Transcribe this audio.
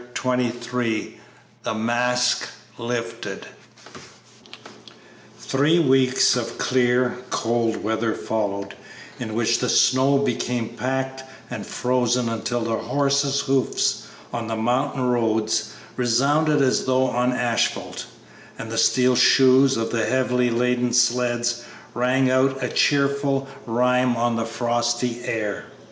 Chapter XXIII THE MASK LIFTED Three weeks of clear, cold weather followed, in which the snow became packed and frozen until the horses' hoofs on the mountain roads resounded as though on asphalt, and the steel shoes of the heavily laden sleds rang out a cheerful rhyme on the frosty air.